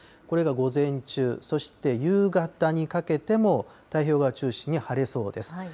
これが午前中、そして夕方にかけても、太平洋側を中心に晴れそうです。